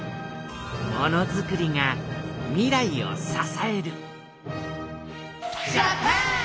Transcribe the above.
ものづくりが未来を支えるジャパン！